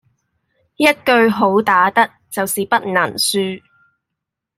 一句好打得就是不能輸